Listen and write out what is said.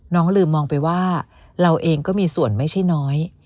ลืมมองไปว่าเราเองก็มีส่วนไม่ใช่น้อย